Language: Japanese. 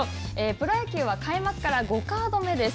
プロ野球は開幕から５カード目です。